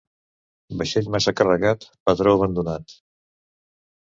Vaixell massa carregat, patró abandonat.